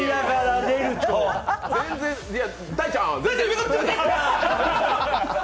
全然だいちゃん。